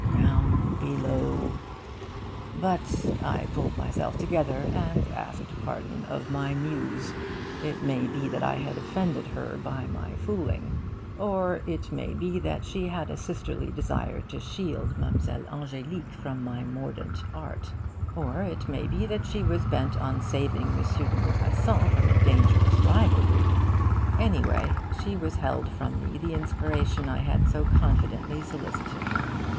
Down below,' but I pulled myself together, and asked pardon of my Muse. It may be that I had offended her by my fooling. Or it may be that she had a sisterly desire to shield Mlle. Ange'lique from my mordant art. Or it may be that she was bent on saving M. de Maupassant from a dangerous rivalry. Anyway, she withheld from me the inspiration I had so confidently solicited.